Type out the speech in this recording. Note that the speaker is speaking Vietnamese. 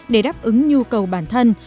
để đáp ứng nhu cầu bản thân